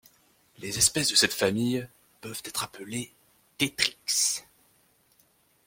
Les espèces de cette famille peuvent être appelées tétrix.